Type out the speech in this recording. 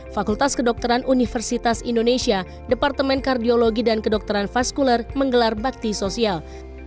fakultas kedokteran universitas indonesia departemen kardiologi dan kedokteran vaskuler menggelar bakti sosial